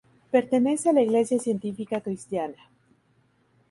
Pertenece a la iglesia científica cristiana.